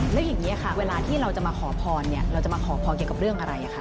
แล้วอย่างนี้ค่ะเวลาที่เราจะมาขอพรเนี่ยเราจะมาขอพรเกี่ยวกับเรื่องอะไรคะ